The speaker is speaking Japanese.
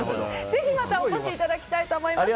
ぜひ、またお越しいただきたいと思います。